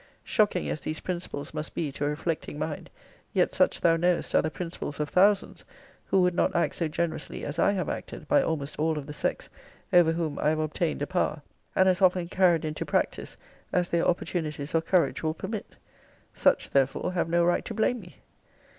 Shocking as these principles must be to a reflecting mind, yet such thou knowest are the principles of thousands (who would not act so generously as I have acted by almost all of the sex, over whom I have obtained a power); and as often carried into practice, as their opportunities or courage will permit. Such therefore have no right to blame me.